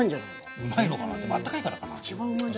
うまいのかなあったかいからかな。